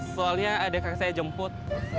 soalnya adek adek saya jemput